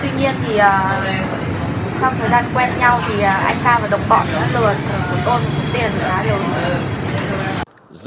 tuy nhiên thì sau thời gian quen nhau thì anh ta và đồng bọn của tôi xin tiền và đều đều đều